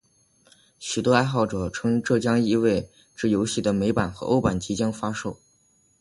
许多爱好者称这意味这游戏的美版和欧版即将发售。